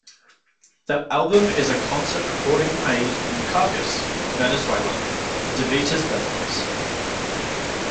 The album is a concert recording made in Caracas, Venezuela, De Vita's birthplace.